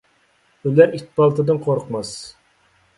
ئۆلەر ئىت پالتىدىن قورقماس.